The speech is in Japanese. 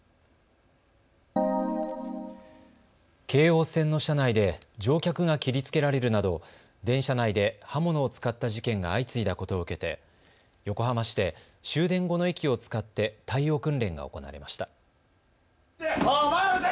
京王線の車内で乗客が切りつけられるなど電車内で刃物を使った事件が相次いだことを受けて横浜市で終電後の駅を使って対応訓練が行われました。